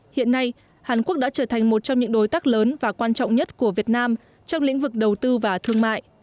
hiện nay hàn quốc đã trở thành một trong những đối tác lớn và quan trọng nhất của việt nam trong lĩnh vực đầu tư và thương mại